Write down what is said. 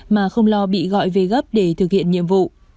mà không lo bị gọi về gấp để thực hiện nhiệm vụ